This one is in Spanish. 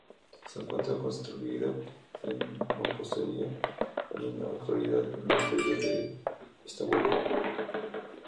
Se encuentra construida en mampostería y en la actualidad el interior está hueco.